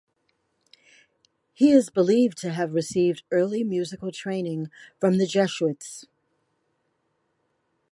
He is believed to have received early musical training from the Jesuits.